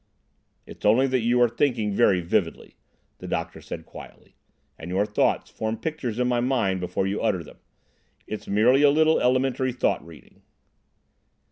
"It's only that you are thinking very vividly," the doctor said quietly, "and your thoughts form pictures in my mind before you utter them. It's merely a little elementary thought reading."